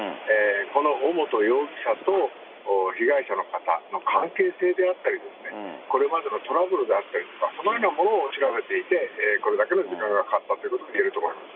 この尾本容疑者と被害者の方の関係性であったり、これまでのトラブルだったりとか、そのようなものを調べていて、これだけの時間がかかったということがいえると思います。